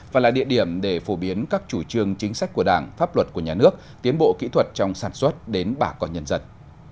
và là địa điểm để phổ biến các chủ trương chính sách của đảng pháp luật của nhà nước tiến bộ kỹ thuật trong sản xuất đến bà con nhân dân